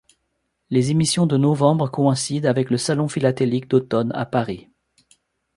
Les émissions de novembre coïncident avec le Salon philatélique d'automne à Paris.